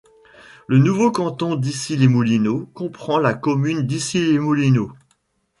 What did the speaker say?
Le nouveau canton d'Issy-les-Moulineaux comprend la commune d'Issy-les-Moulineaux.